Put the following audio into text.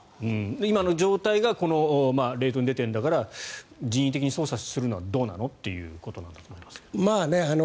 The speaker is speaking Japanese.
今の状態がレートに出ているんだから人為的に操作するのはどうなのっていうことなんだと思いますが。